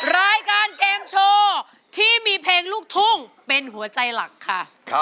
รายการเกมโชว์ที่มีเพลงลูกทุ่งเป็นหัวใจหลักค่ะ